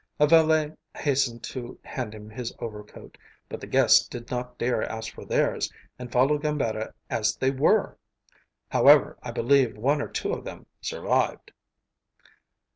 A valet hastened to hand him his overcoat, but the guests did not dare to ask for theirs, and followed Gambetta as they were! However, I believe one or two of them survived.